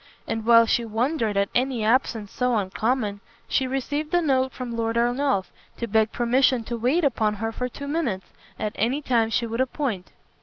And while she wondered at an absence so uncommon, she received a note from Lord Ernolf, to beg permission to wait upon her for two minutes, at any time she would appoint.